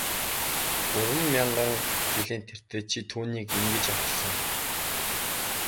Гурван мянган жилийн тэртээд чи түүнийг ингэж орхисон.